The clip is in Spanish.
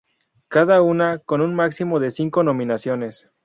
Cada una con un máximo de cinco nominaciones.